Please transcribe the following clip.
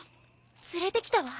連れてきたわ。